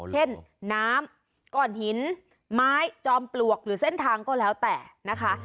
เช่นน้ำก้อนหินไม้จอมปลวกหรือเส้นทางก็แล้วแต่นะคะ